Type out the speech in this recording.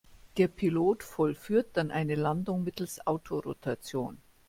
Der Pilot vollführt dann eine Landung mittels Autorotation.